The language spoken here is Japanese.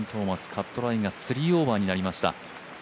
カットラインが３オーバーになりました。